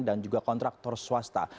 dan juga kontraktor bumn